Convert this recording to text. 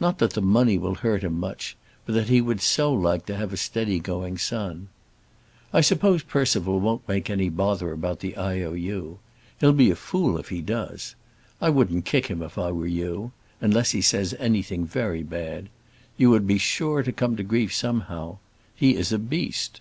Not that the money will hurt him much; but that he would so like to have a steady going son. I suppose Percival won't make any bother about the I.O.U. He'll be a fool if he does. I wouldn't kick him if I were you, unless he says anything very bad. You would be sure to come to grief somehow. He is a beast.